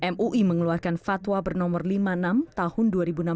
mui mengeluarkan fatwa bernomor lima puluh enam tahun dua ribu enam belas